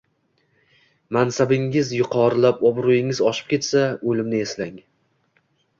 mansabingiz yuqorilab, obro‘yingiz oshib ketsa, o‘limni eslang.